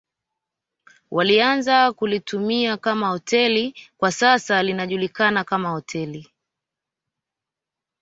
Walianza kulitumia kama hoteli kwa sasa linajulikana kama hoteli